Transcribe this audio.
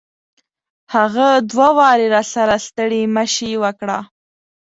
هغه دوه واري راسره ستړي مشي وکړه.